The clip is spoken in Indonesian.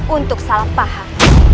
untuk salah paham